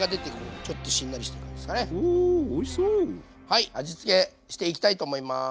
はい味付けしていきたいと思います。